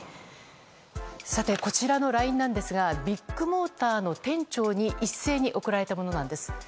こちらのＬＩＮＥなんですがビッグモーターの店長に一斉に送られたものなんです。